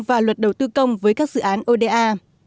và luật đầu tư công với các dự án oda